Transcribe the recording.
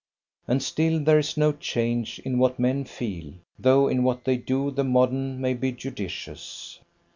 And still there is no change in what men feel, though in what they do the modern may be judicious.